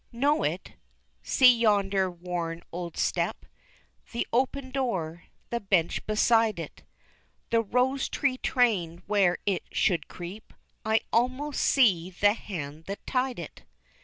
Know it? See yonder worn old step, The open door, the bench beside it, The rose tree trained where it should creep I almost see the hand that tied it.